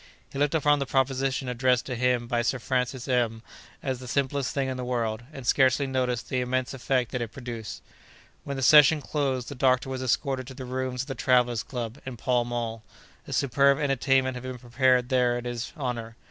He looked upon the proposition addressed to him by Sir Francis M——as the simplest thing in the world, and scarcely noticed the immense effect that it produced. When the session closed, the doctor was escorted to the rooms of the Travellers' Club, in Pall Mall. A superb entertainment had been prepared there in his honor.